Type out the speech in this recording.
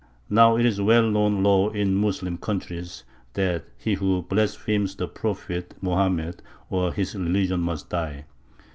Now it is a well known law in Moslem countries that he who blasphemes the Prophet Mohammed or his religion must die.